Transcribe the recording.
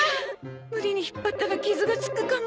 無理に引っ張ったら傷がつくかも。